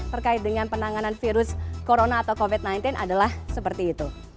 terkait dengan penanganan virus corona atau covid sembilan belas adalah seperti itu